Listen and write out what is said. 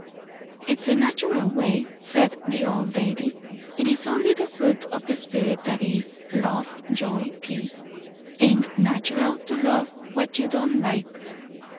"It's the natural way," said the old lady. "It is only the fruit of the Spirit that is 'love, joy, peace.' 'Tain't natural to love what you don't like."